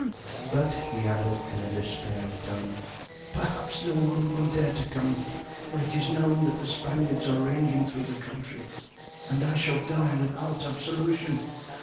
But," he added in a despairing tone, "perhaps no one will dare to come for it is known that the Spaniards are ranging through the country, and I shall die without absolution.